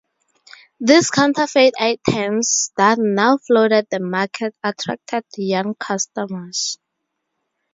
These counterfeit items that now flooded the market attracted young customers.